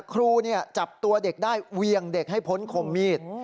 ครูจับตัวเด็กได้เวียงเด็กให้พ้นคมมีด